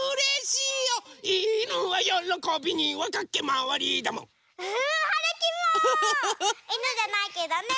いぬじゃないけどね。